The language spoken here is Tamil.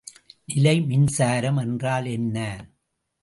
நிலைமின்சாரம் என்றால் என்ன?